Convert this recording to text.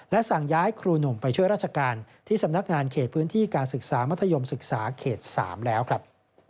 สั่งย้ายครูหนุ่มไปช่วยราชการที่สำนักงานเขตพื้นที่การศึกษามัธยมศึกษาเขต๓แล้วครับ